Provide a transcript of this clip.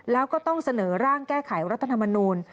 แล้วก็ต้องเสนอร่างแก้ไขรัฐธรรมนูล